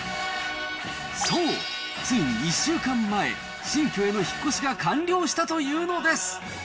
そう、ついに１週間前、新居への引っ越しが完了したというのです。